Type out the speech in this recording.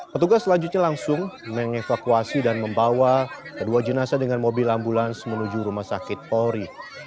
petugas selanjutnya langsung mengevakuasi dan membawa kedua jenazah dengan mobil ambulans menuju rumah sakit polri